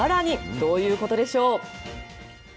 どういうことでしょう。